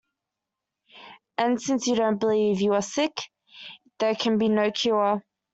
And since you don't believe you are sick, there can be no cure.